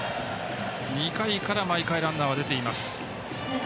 ２回から毎回ランナーは出ています。